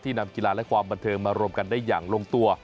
นำกีฬาและความบันเทิงมารวมกันได้อย่างลงตัว